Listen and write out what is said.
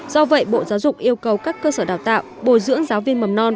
do vậy bộ giáo dục yêu cầu các cơ sở đào tạo bồi dưỡng giáo viên mầm non